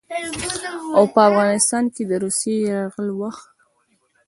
او په افغانستان د روسي يرغل په وخت